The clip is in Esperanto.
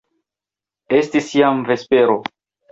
Estis jam vespero.